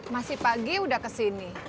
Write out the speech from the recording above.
masih pagi udah ke sini